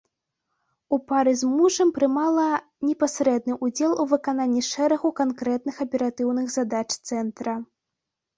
У пары з мужам прымала непасрэдны ўдзел у выкананні шэрагу канкрэтных аператыўных задач цэнтра.